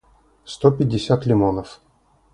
сто пятьдесят лимонов